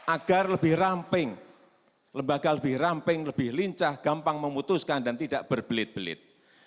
agar lebih ramping lembaga lebih ramping lebih lincah gampang memutuskan dan tidak berbelit belit